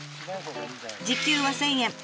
時給は１，０００円。